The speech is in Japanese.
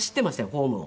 ホームを。